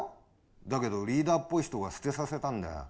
だけどリーダーっぽい人が捨てさせたんだよ。